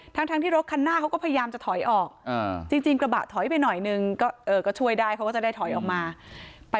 ทั้งที่รถคันหน้าเขาก็พยายามจะถอยออกจริงกระบะถอยไปหน่อยนึงก็ช่วยได้เขาก็จะได้ถอยออกมา